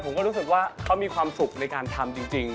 ผมก็รู้สึกว่าเขามีความสุขในการทำจริง